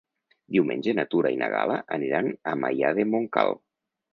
Diumenge na Tura i na Gal·la aniran a Maià de Montcal.